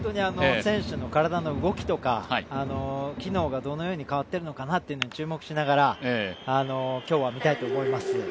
選手の体の動きとか機能がどのように変わっているのかというのに注目しながら、今日は見たいと思います。